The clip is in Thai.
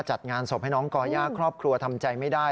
จัดงานศพให้น้องก่อย่าครอบครัวทำใจไม่ได้